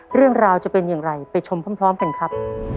เรื่องราวจะเป็นอย่างไรไปชมพร้อมกันครับ